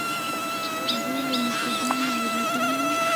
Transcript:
هغې له نیکه ګانو اورېدلي وو.